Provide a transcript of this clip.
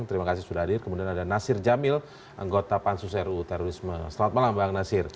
terima kasih sudah hadir kemudian ada nasir jamil anggota pansus ruu terorisme selamat malam bang nasir